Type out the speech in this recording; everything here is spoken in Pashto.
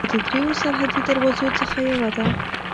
دا د درېیو سرحدي دروازو څخه یوه ده.